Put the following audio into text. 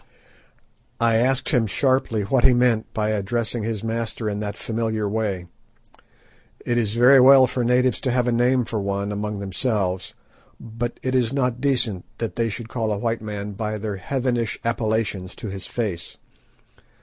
I asked him sharply what he meant by addressing his master in that familiar way. It is very well for natives to have a name for one among themselves, but it is not decent that they should call a white man by their heathenish appellations to his face.